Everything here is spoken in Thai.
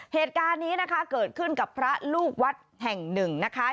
เหตุการณ์นี้นะคะเกิดขึ้นกับพระลูกวัดแห่งหนึ่งนะคะ